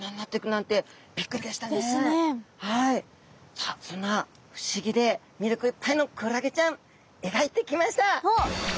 さあそんな不思議でみりょくいっぱいのクラゲちゃんえがいてきました！